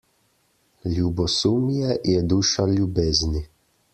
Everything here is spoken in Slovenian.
Ljubosumje je duša ljubezni.